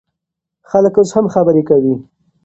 خلک اوس هم خبرې کوي.